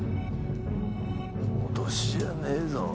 脅しじゃねえぞ。